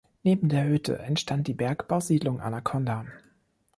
Neben der Hütte entstand die Bergbausiedlung Anaconda.